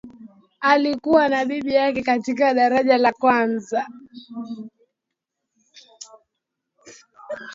alikuwa na bibi yake katika daraja la kwanza